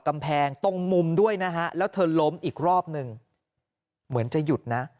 กำแพงตรงมุมด้วยนะฮะแล้วเธอล้มอีกรอบนึงเหมือนจะหยุดนะ